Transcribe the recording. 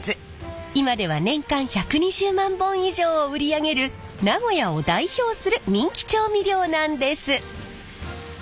今では年間１２０万本以上を売り上げる名古屋を代表する人気調味料なんです！